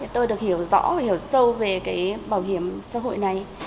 tôi được hiểu rõ và hiểu sâu về cái bảo hiểm xã hội này